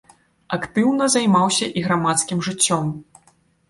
Актыўна займаўся і грамадскім жыццём.